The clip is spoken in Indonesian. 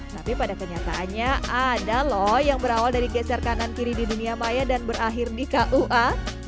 tapi pada kenyataannya ada lho yang berawal dari geser kanan kiri di dunia maya dan berakhir di kua